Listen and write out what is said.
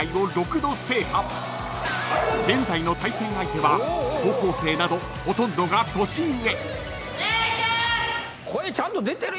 ［現在の対戦相手は高校生などほとんどが年上］